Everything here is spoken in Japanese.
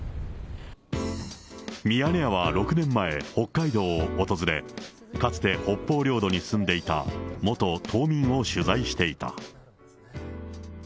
ミヤネ屋は６年前、北海道を訪れ、かつて北方領土に住んでいた元島民を取材していた。